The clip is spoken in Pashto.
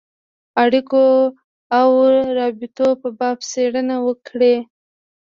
اړېکو او روابطو په باب څېړنه وکړي.